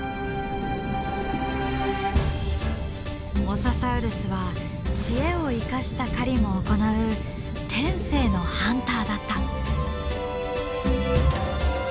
モササウルスは知恵を生かした狩りも行う天性のハンターだった。